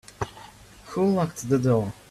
Who locked the door?